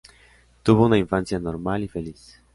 Tuvo una infancia normal y feliz.